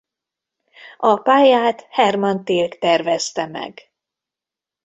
A pályát Hermann Tilke tervezte meg.